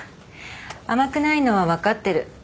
甘くないのは分かってる。